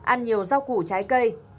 ăn nhiều rau củ trái cây